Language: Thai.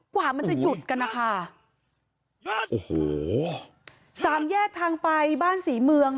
กว่ามันจะหยุดกันนะคะโอ้โหสามแยกทางไปบ้านศรีเมือง